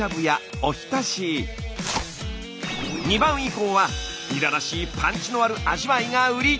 ２番以降はニラらしいパンチのある味わいが売り！